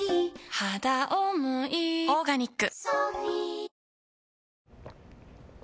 「はだおもいオーガニック」